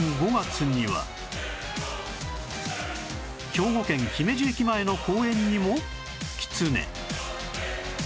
兵庫県姫路駅前の公園にもキツネ